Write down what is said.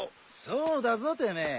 そうだぞてめえ。